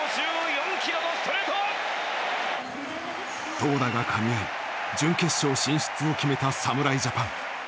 投打がかみ合い準決勝進出を決めた侍ジャパン。